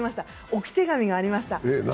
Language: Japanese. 置き手紙がありました。